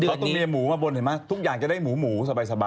เขาต้องมีหมูมาบนเห็นไหมทุกอย่างจะได้หมูหมูสบาย